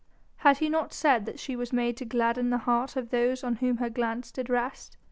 Had he not said that she was made to gladden the heart of those on whom her glance did rest?